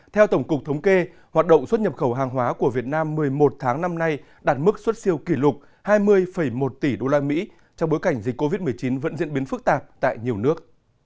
theo tổng cục thống kê hoạt động xuất nhập khẩu hàng hóa của việt nam một mươi một tháng năm nay đạt mức xuất siêu kỷ lục hai mươi một tỷ usd trong bối cảnh dịch covid một mươi chín vẫn diễn biến phức tạp tại nhiều nước